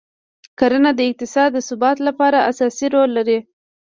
کرنه د اقتصاد د ثبات لپاره اساسي رول لري.